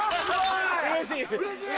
うれしい？